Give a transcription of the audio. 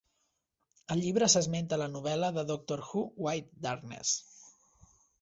El llibre s'esmenta a la novel·la de Doctor Who "White Darkness".